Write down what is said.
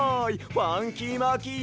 ファンキーマーキー